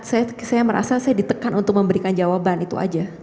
saya merasa saya ditekan untuk memberikan jawaban itu aja